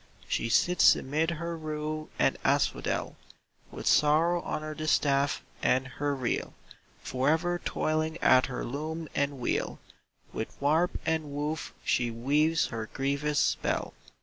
She sits amid her rue and asphodel With sorrow on her distaff and her reel; Forever toiling at her loom and wheel With warp and woof she weaves her grievous spell.